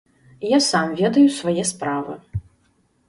Я сам ведаю свае справы.